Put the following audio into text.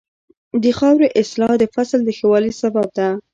د خاورې اصلاح د فصل د ښه والي سبب ده.